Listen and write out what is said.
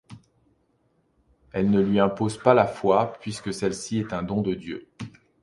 Elle ne lui impose pas la foi puisque celle-ci est un don de Dieu.